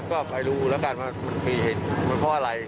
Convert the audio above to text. ก็ไปดูแล้วกันว่ามันมีเหตุมันเพราะอะไร